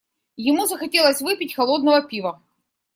Ему захотелось выпить холодного пива.